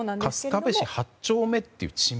春日部市八丁目という地名？